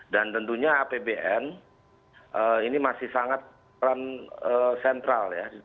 dan tentunya apbn ini masih sangat central ya